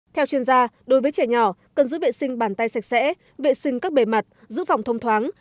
theo chuyên gia đối với trẻ nhỏ cần giữ vệ sinh bàn tay sạch sẽ vệ sinh các bề mặt giữ phòng thông thoáng